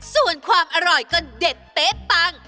ส่วนความอร่อยก็เด็ดเป๊ะปัง